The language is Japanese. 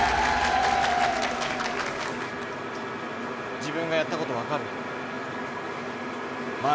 自分がやったこと分かる。